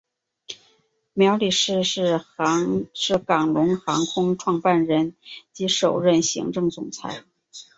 苗礼士是港龙航空创办人及首任行政总裁。